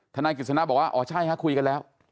ธนายกฤษณะบอกว่าอ๋อใช่ค่ะคุยกันแล้ว